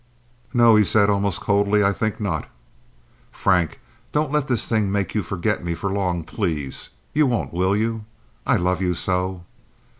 "No," he said, almost coldly, "I think not." "Frank, don't let this thing make you forget me for long, please. You won't, will you? I love you so."